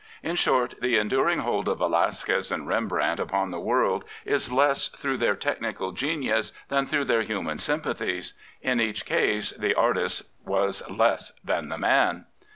In short, the enduring hold of Velasquez and Rembrandt upon the world is less through their technical genius than through their human sympathies. In each case the artist was less than the man.